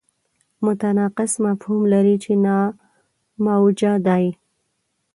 متناقض مفهوم لري چې ناموجه دی.